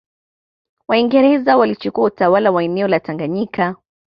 Waingereza walichukua utawala wa eneo la Tanganyika